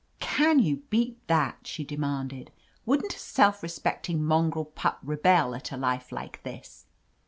"Can you beat that?" she de manded. "Wouldn^t a self respecting mon grel pup rebel at a life like this?"